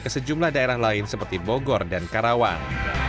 ke sejumlah daerah lain seperti bogor dan karawang